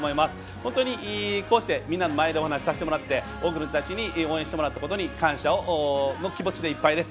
本当にこうしてみんなの前で、多くの人たちに応援してもらったことに感謝の気持ちでいっぱいです。